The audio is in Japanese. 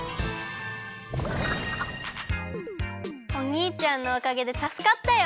おにいちゃんのおかげでたすかったよ。